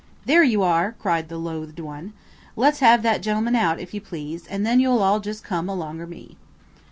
"There you are!" cried the Loathed One. "Let's have that gentleman out, if you please, and then you'll all just come alonger me."